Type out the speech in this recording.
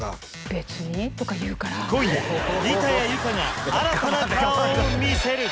別にとか言うから今夜板谷由夏が新たな顔を見せる！